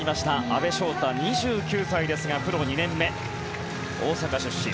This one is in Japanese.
阿部翔太、２９歳ですがプロ２年目、大阪出身。